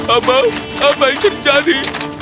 apa apa yang terjadi